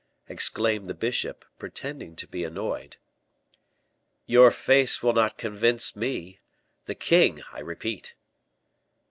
exclaimed the bishop, pretending to be annoyed. "Your face will not convince me; the king, I repeat."